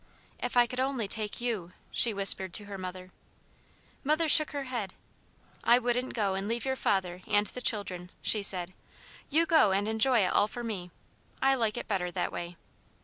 "If I could only take you!" she whispered to her mother. Mother shook her head. "I wouldn't go and leave your father and the children," she said. "You go and enjoy it all for me. I like it better that way."